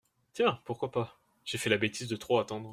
Tiens ! pourquoi pas ?… J'ai fait la bêtise de trop attendre.